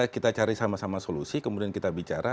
kita cari sama sama solusi kemudian kita bicara